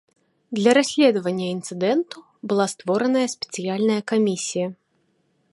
Для расследавання інцыдэнту была створаная спецыяльная камісія.